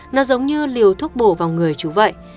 nó giống như liều thuốc bổ vào người chú vậy